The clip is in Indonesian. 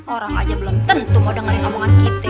orang aja belum tentu mau dengerin omongan kita